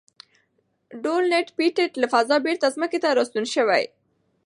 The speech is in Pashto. ډونلډ پېټټ له فضا بېرته ځمکې ته راستون شوی.